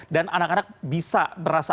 dan anak anak bisa berhasil